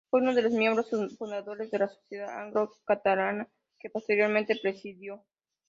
Fue uno de los miembros fundadores de la Sociedad Anglo-Catalana que, posteriormente, presidió.